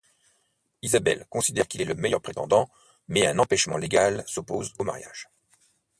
Isabelle considère qu'il est le meilleur prétendant, mais un empêchement légal s'oppose au mariage.